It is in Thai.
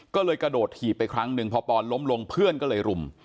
ก็เลยกระโดดถีบไปครั้งหนึ่งพอปอนล้มลงเพื่อนก็เลยรุม